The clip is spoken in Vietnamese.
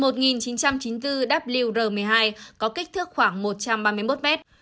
tiểu hành tinh một nghìn chín trăm chín mươi bốn wer một mươi hai có kích thước khoảng một trăm ba mươi một mét